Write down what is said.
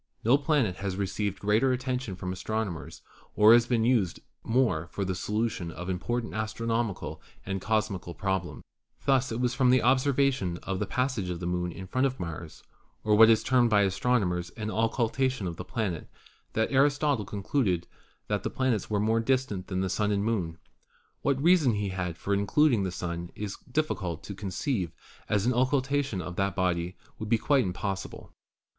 No planet has received greater attention from astronomers or has been used more for the solution of important astronomical and cosmical problems. Thus it was from an observation of the passage of the Moon in front of Mars, or what is termed by astronomers an occultation of the planet, that Aristotle concluded that the planets are more distant than the Sun and Moon. What reason he had for including the Sun it is difficult to conceive, as an occultation by that body would be quite impossible.